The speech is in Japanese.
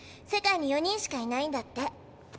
世界に４人しかいないんだって。